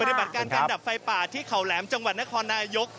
ปฏิบัติการการดับไฟป่าที่เขาแหลมจังหวัดนครนายก